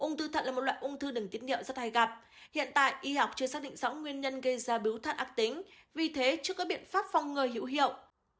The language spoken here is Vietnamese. ung thư thận là một loại ung thư đường tiết niệu rất hay gặp hiện tại y học chưa xác định rõ nguyên nhân gây ra biếu thận ác tính vì thế chưa có biện pháp phong ngừa hữu hiệu